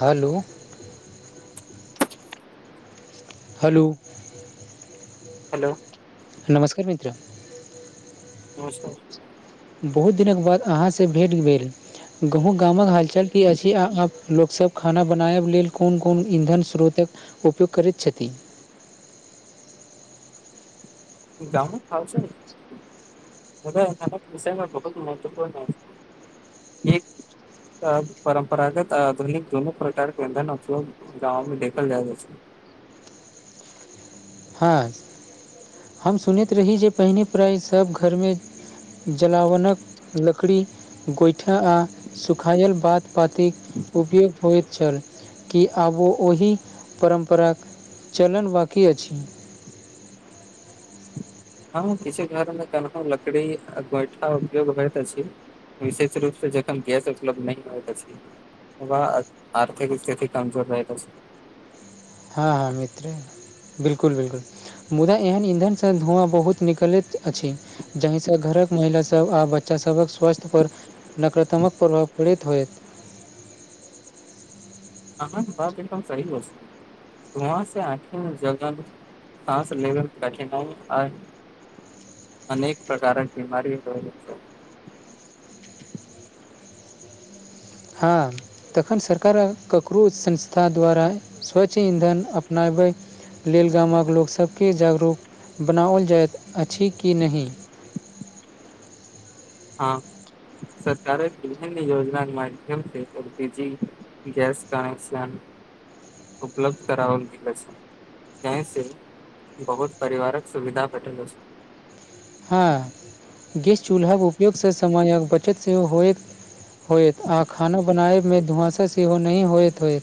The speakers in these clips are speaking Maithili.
हेलो। हेलो। हेलो। नमस्कार मित्र। नमस्कार। बहुत दिनक बाद अहाँसँ भेट भेल। गामक हालचाल की अछि? आ लोकसभ खाना बनाबय लेल कोन कोन ईंधन स्रोतक? उपयोग करैत छथि। गाँवमे खा छै ने मुदा विसमे बहुत महत्वपूर्ण परम्परागत आधुनिक धन प्रकार। गावमे देखल जाय त। हँ, हम सुनैत रही जे पहिने प्राइ सभ घरमे जलावनक लकड़ी गोइठा आर सुखायल बात पातिक उपयोग हो। छल की आबो ओहि परम्पराक चलन बाकी अछि। ह [unintelligible] हँ, किछु घरमे कनहु लकड़ी आ गोइठा उपियोग होइत छै। विशेष रूपसँ जखन गैस उपलब्ध नहि होइ त छेला। वह आर्थिक स्थिति कमजोर रहै त छै। हँ, हँ, मित्र बिल्कूल बिल्कूल। मुदा एहन ईंधनसँ धुआँ बहुत निकलैत अछि। जहिसँ घरक महिला सभ आ बच्चा सभक स्वास्थ पर। नकारात्मक प्रभाव पीड़ित होयत। अहाँ पचिक सहव अस। वहाँ से आख ज सास ले कठिनाइ आ अनेक प्रकारक बीमार होल छै। हँ। तखन सरकार ककरो संस्था द्वारा स्वच्छ ईंधन अपनाबै। लेल गामक लोक सभके जागरूक बनाओल जाइत अछि कि नहि हँ, सरकार विभिन्न योजनाके माध्यमसे श्रुति जी गैस कनेक्शन उपलब्ध करल गेल छै। जहि से बहुत परिवारक सुविधा भेटल छै। हँ, गैस चूल्हाके उपयोगसँ सामानक बचत सेहो होइत। होयत आ खाना बनाबमे धुआँसा सेहो नहि होयइत होयत।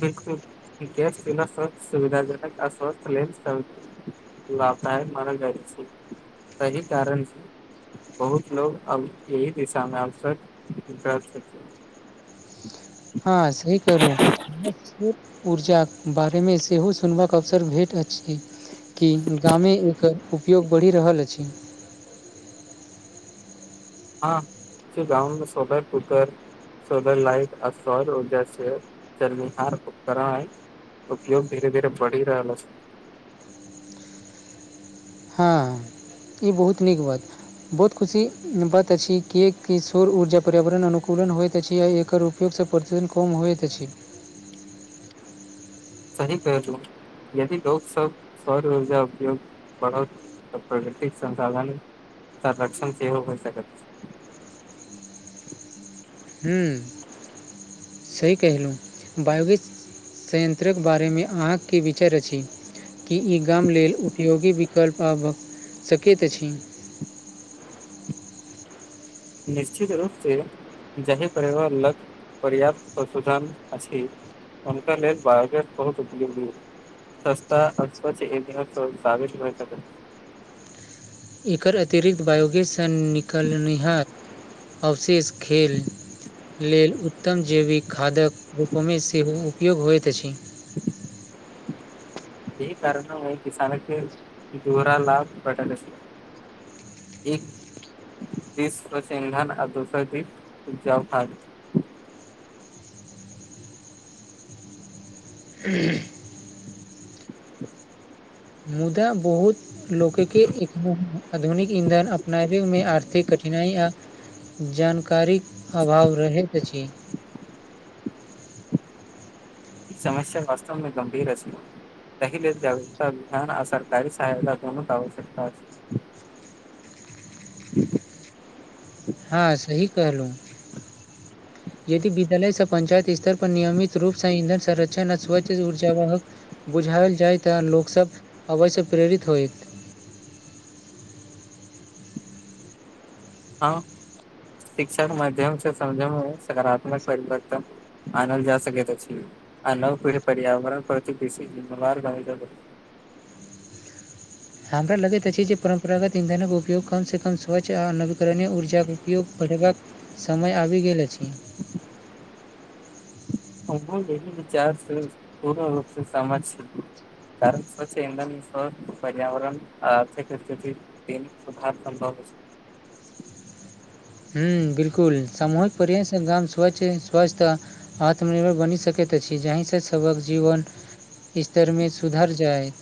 बकुलना स्वस्थ सुविधाजनक अस्वस्थ ले। लातहार मराल जाय छि तहि कारण छै बहुत लो अब एहि दिशामे अवसर विकाश। हँ, सही कहलहुँ। ऊर्जाक बारेमे सेहो सुनबाक अवसर भेट अछि। कि गामे एकर उपयोग बढ़ि रहल अछि। हँ गममे स्वभै कुकर सोलर लाइट अ ऊर्ज चरनिहार उपकरण। उपयोग धीरे धीरे बढ़ि रहल अछि। हँ, ई बहुत नीक बात। बहुत खुशी बात अछि, किएकि सौर ऊर्जा पर्यावरण अनुकूलन होइत अछि आ एकर। फेर सँ प्रतिदिन कम होइत अछि सही कहलू यदि लोको सब सौर ऊर्जा उपयोग बढ़त तऽ प्रगृतिक संसाधन संरक्षण सेहो हो सकत हूँ सही कहलहुँ बायोगेस संयंन्त्रक बारेमे अहाँक की विचार अछि की ई गाम लेल उपयोगी विकल्प आब सकैत अछि निश्चित रूपसे जाहि परिवार लग पर्याप्त संशोधन अछि हमक ले बायोगैस बहुत उपल्धीै सस्ता आ [unintelligible] एकर अतिरिक्त बायोगेससँ निकलनिहहार अवशेष खेल लेल उत्तम जैविक खादक रूपमे सेहो उपयोग होइत अछि [inaudible] चहि कारण हय किसान के जोरा लाभ बदल अछि एक दिस चिन्हान आ दोसर दिस उपजाऊ हाथ। [inaudible] [unintelligible] मुदा बहुत लोककेँ एखनहुँ आधुनिक ईंधन अपनाबेमे आर्थिक कठिनाई आ जानकारीक अभाव रहैत अछि समस्या वास्तवमे गंभीर अछि तहि लेल जागृकता विधान आ सरकारी सहायता दुनु आवस्कता अछि [inaudible] हँ सही कहलहुँ यदि विद्यालय सँ पंचायत स्तर पर नियमित रूप इंधन संरक्षण आ ऊर्जा वाहक बुझायल जाय तऽ लोकस अवस्य प्रेरित होइत हँ शिक्षा के माध्यम सँ समझमे सात्मक परिवर्तन मानल जा सकैत अछि आ नव पिढी पर्यावरण प्रति बेसी जिमेवार [unintelligible] हमरा लगैत अछि जे परम्परागत ईंधनक उपयोग कम सँ कम कऽ स्वच्छ आ नवीकरणीय ऊर्जाक उपयोग बढ़ेबाक समय आबि गेल अछि हमहु यहि विचार सँ पूर्ण रूप सँ सहमत छी कारण स्वचछ इधन सँ पर्यावरण आ आर्थक स्थिति [unintelligible] सुधार सम्भव हुँ बिलकुल सामूहिक प्रयास सँ गाम स्वच्छ स्वस्त आत्मनिर्भर बनि सकैत अछि, जाहिसँ सभक जीवन स्तरमे सुधार जाइत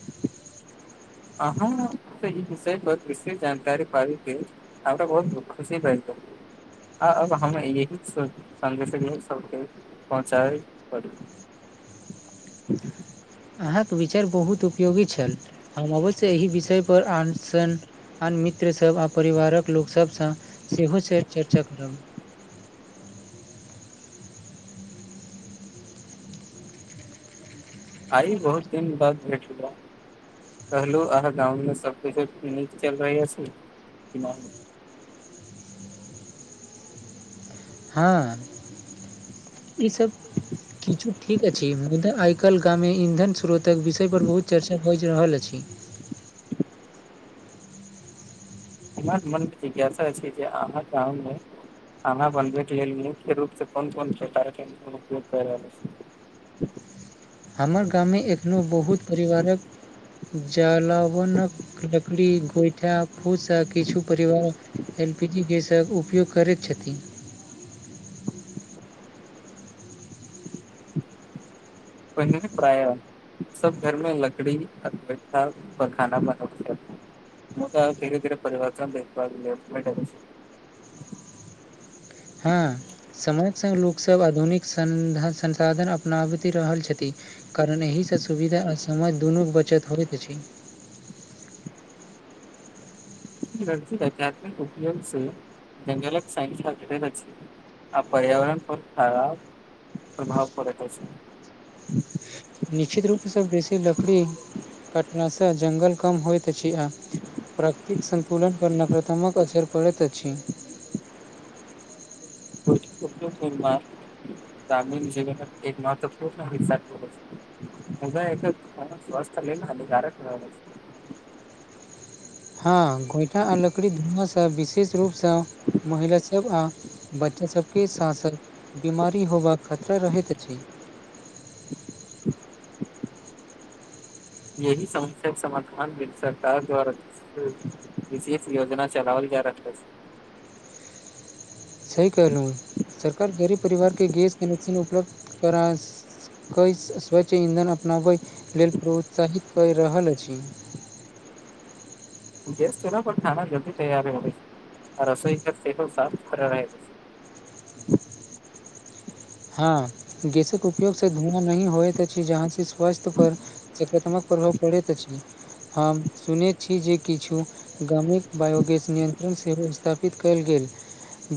[inaudible] अहाँ सँ ई विषय पर विशेष जानकारी पाबि केऽ हमरा बहुत दु खुशी भईले आ अब हम यहि सन्देश लोक सबके पहुँचाबै पड़ी अहाँके विचार बहुत उपयोगी छल, हम अवश्य एहि विषय पर आनसन आन मित्र सभ आ परिवारक लोकसभ सँ सेहो चर चर्चा करब। आई बहुत दिन बाद भेट भेलहुँ कहलहुँ अहाँ गाँवमे सबकछो नीक चल रहल अछि कि नहि हँ ई सभ किछु ठीक अछि, मुदा आइकाल गाममे इन्धन स्रोत तक विषय पर बहुत चर्चा बाइज रहल अछि। हमर मनमे जिज्ञासा छै जे अहाँ गाममे खाना बनबैकेऽ लेल मुख्य रूप सँ कोन-कोन प्रकरकेँ इन्धन उपयोग करै रहल अछि। हमर गाममे एखनो बहुत परिवारक जलावनक लकड़ी गोइठा खूदसँ किछु परिवार एल पी जी गैसक उपयोग करैत छथिन प प्राय [unintelligible] सभ घरमे लकड़ी आ गोइठा पर खाना बनै छै। तऽ धीरे धीरे परिवार देख भै [unintelligible] हँ समयक संग लोकसभ आधुनिक संसाधन अपनाबति रहल छथि, कारण एहिसँ सुविधा आ समय दुनू के बचत होइत अछि आध्यात्मिक उपयोग से जङंगलक साइसाे रचै [unintelligible] आ पर्यावरण पर खराब प्रभाव पड़ैत अछि निश्चित रूप सँ बेसी लकड़ी कटला सँ जंगल कम होइत अछि आ प्राकृतिक संतुलन पर नकारात्मक असर पड़ैत अछि को [unintelligible] ग्रामीण जीवनक एक महत्वपूर्ण हिस्सा [unintelligible] ओहुना एकर धुंआ स्वास्थय लेल हानिकारक रहल अछि हँ, गोइठा आ लकड़ीक धुआँ सँ विशेष रूप सँ। महिलासभ आ बच्चासभके साथ साथ बीमारी होबाक खतरा रहैत अछि यह समस्या के समाधान सरकार द्वारा ई योजना चलाओल जा रहल छै। सही कहलू सरकार गरीब परिवार के गैस कनेक्शन उपलब्ध करा क स्वच्छ ईंधन अपनाबै लेल प्रोत्साहित कऽ रहल अछि गैस चूल्हा पर खाना जल्दी तैयार होइ छै आ रसोई गैस सँ साफ-सुथर रहैत छै। हँ, गैसक उपयोग सँ धुआँ नहि होइत अछि, जहाँ वस्तु पर सकारात्मक प्रभाव पड़ैत अछि हम सुनैत छी जे किछु गाममे बायोगैस केन्द्र सेहो स्थापित कयल गेल,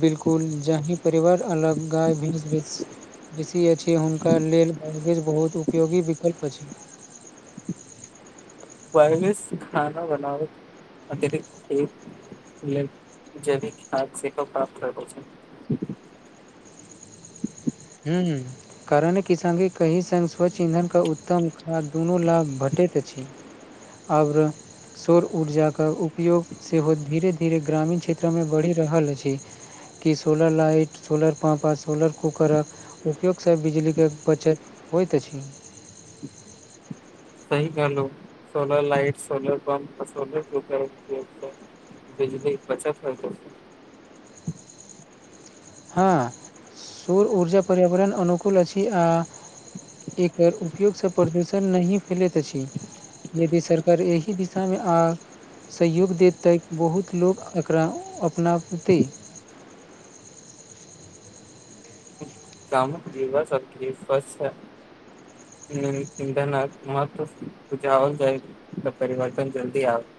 बिलकुल जाहि परिवार अलग गाय-भैंस बेषी अछि हुनका लेल बैरगेज बहुत उपयोगी विकल्प अछि [inaudible] बस खाना बनाबत अतिरिक्त क [unintelligible] जैविक खाद से प्राप्त करू छै हूंम्म कारण किसानके कहि सङ्ग स्वच्छ ईंधनके उत्तम खाद दुनू लाभ भेटैत अछि आओर सौर ऊर्जाक उपयोग सेहो धीरे-धीरे ग्रामीण क्षेत्रमे बढ़ि रहल अछि। की सोलर लाइट सोलर पवार आ सोलर कूकर आ उपयोगसँ बिजलीके बचत होइत अछि सी कहू, solar light, solar pump, solar प्रोट। बिजली बचत होइ तऽ। हँ सौर ऊर्जा पर्यावरण अनुकूल अछि आ एकर उपयोग सँ प्रदूषण नहि फैलैत अछि। यदि सरकार एहि दिशा मे आ सहयोग देत तक बहुत लोक एकरा अपनाबतै कामक लेवर सबके स्पस है इंधनक महत्व बुजाओल जाइ तऽ परिवर्तन जल्दी आओत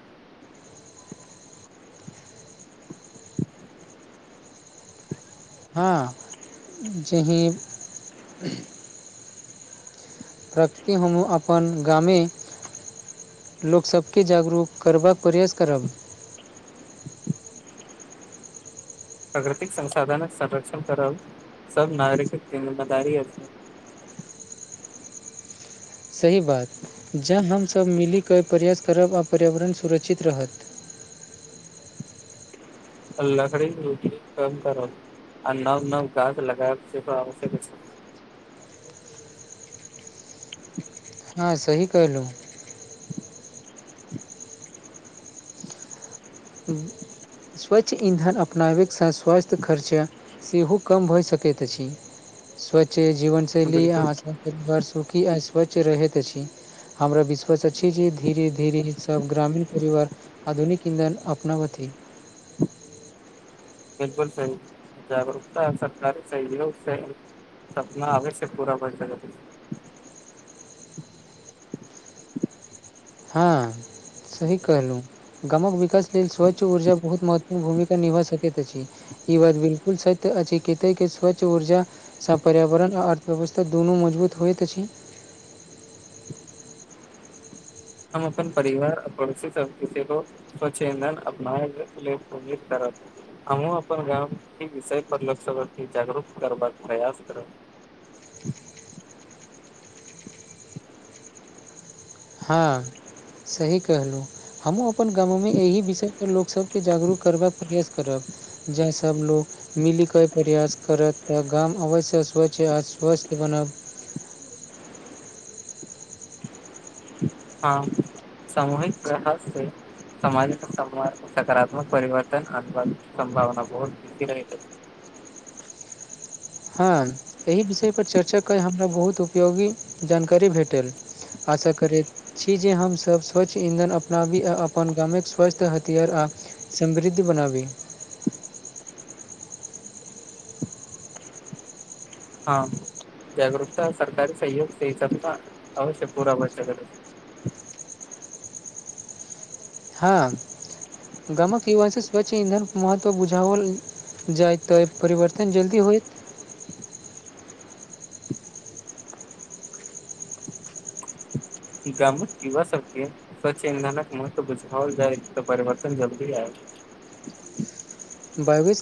हँ जेहीं प्रकृति हमहूँ अपन गामे लोकसबके जागरूक करबाक प्रयास करब प्रकृतिक संसाधन संरक्षण करब सब नागरिकक जिम्मेदारी अछि सही बात जँ हमसभ मिलि कऽ प्रयास करब आ पर्यावरण सुरक्षित रहत लकड़ी रची कम करो आ नव नव घाछ लगाब आवश्यक अछि। हँ सही कहलु स्वच्छ ईंधन अपनाबैक साथ स्वास्थ्य खर्च सेहो कम भऽ सकैत अछि, स्वच्छ जीवनशैली बिलकुल अहाँ के [unintelligible] सुखी आ स्वच्छ रहैत अछि हमरा वि [unintelligible] धीरे-धीरे सभ ग्रामीण परिवार आधुनिक ईंधन अपनाबैथि। बिलकुल सही जागरूकता सरकारी सहयोग स सपना अवश्य पूरा भऽ सकै। हँ, सही कहलहुँ, गामक विकास स्वच्छ ऊर्जा बहुत महत्वपूर्ण भूमिका निभा सकैत अछि ई बात बिल्कुल सछ अछि कतऽक स्वच्छ ऊर्जासँ पर्यावरण आ अर्थव्यवस्था दुनू मजबूत होइत अछि। हम अपन परिवार, आ पड़ोसी सभके सेहो। स्वक्ष इंधन अपनाबे ले प्रेरित करब अहुं अपन गाममे विषय पर लक्ष्य आ जागरूक करबाक प्रयास करब। हँ सही कहलहुँ हमूँ अपन गामोमे एहि विषय पर लोकसभके जागरूक करबाक प्रयास करब जै सभ लोग मिलि कऽ प्रयास करत, त गाम अवश्य स्वच्छ आ स्वस्थ बनत। [unintelligible] हँ सामूहिक प्रहास से समाजमे सकारात्मक परिवर्तन आनबाक संभावना बहुत बेसी रहैत छै। हँ एहि विषयपर चर्चा क हमरा बहुत उपयोगी जानकारी भेटल आशा करैत छी जे हमसभ स्वच्छ ईंधन अपनाबी आ अपन गामके स्वक्ष हथियार आ समृद्ध बनाबी हँ जागरूकता सरकारी सहयोग से सपना अवश्य पूरा भ सकल है हँ गामक युवा से स्वच्छ इंधन महत्व बुझावल जायत परिवर्तन जल्दी होयत [inaudible] गामक युवा सबके स्वच्छ इंधनके महत्व बुझाउल जाए तऽ परिवर्तन जलदि आएत बाइसके